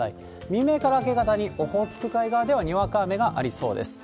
未明から明け方に、オホーツク海側ではにわか雨がありそうです。